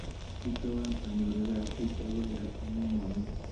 Kiptooa anyoru kasit agoi raa amu mami